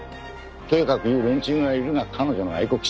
「とやかく言う連中がいるが彼女の愛国心は本物だ」。